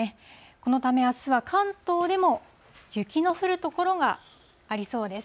このためあすは関東でも雪の降る所がありそうです。